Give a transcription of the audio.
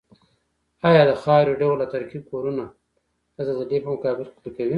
ایا د خاورې ډول او ترکیب کورنه د زلزلې په مقابل کې کلکوي؟